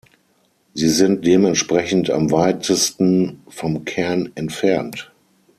Sie sind dementsprechend am weitesten vom Kern entfernt.